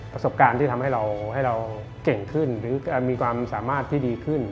ประสบการณ์ที่ทำให้เราเก่งขึ้นถึงมีความสามารถที่ดีขึ้น